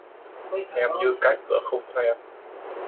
Em như cái cửa không thoen